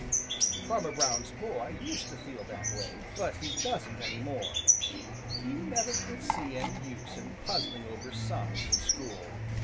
= |Farmer brown's boy used to feel that way, but he doesn't any more. He never could see any use in puzzling over sums in school.